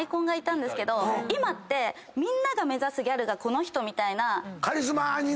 今ってみんなが目指すギャルがこの人！みたいな。